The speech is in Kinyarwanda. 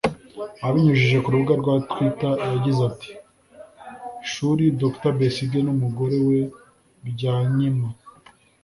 abinyujije ku rubuga rwa Twitter yagize ati”nshuri Dr Besigye n’umugore we Byanyima